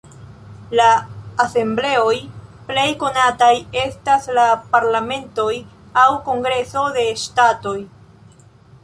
La asembleoj plej konataj estas la parlamentoj aŭ kongresoj de ŝtatoj.